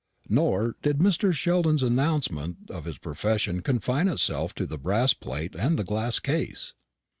Nor did Mr. Sheldon's announcement of his profession confine itself to the brass plate and the glass case.